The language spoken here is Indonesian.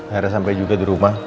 akhirnya sampai juga di rumah